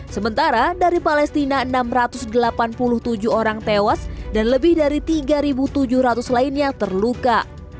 sementara dari palestina enam ratus delapan puluh tujuh orang tewas dan lebih dari tiga tujuh ratus lainnya terluka